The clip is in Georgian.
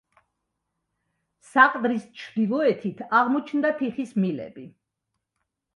საყდრის ჩრდილოეთით აღმოჩნდა თიხის მილები.